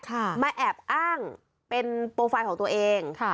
มาแอบอ้างเป็นโปรไฟล์ของตัวเองค่ะ